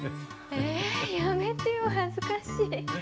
えやめてよ恥ずかしい。